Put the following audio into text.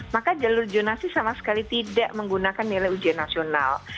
maka jalur jonasi sama sekali tidak menggunakan nilai ujian nasional